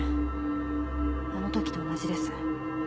あの時と同じです。